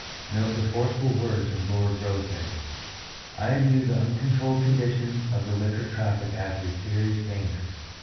Note the forceful words of Lord Rosebery :" I view the uncontrolled condition of the liquor traffic as a serious danger.